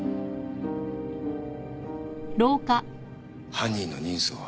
犯人の人相は？